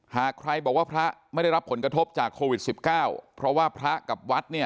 หากใครบอกว่าพระไม่ได้รับผลกระทบจากโควิด๑๙เพราะว่าพระกับวัดเนี่ย